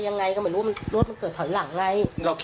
อันนี้มั่นใจ